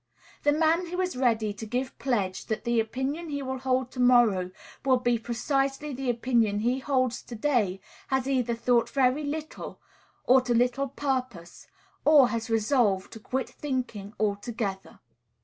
The man who is ready to give pledge that the opinion he will hold to morrow will be precisely the opinion he holds to day has either thought very little, or to little purpose, or has resolved to quit thinking altogether.